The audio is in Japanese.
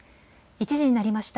１時になりました。